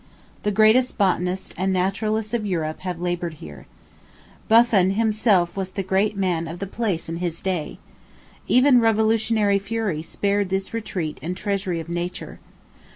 The greatest botanists and naturalists of Europe have labored here. Buffon himself was the great man of the place in his day. Even revolutionary fury spared this retreat and treasury of Nature.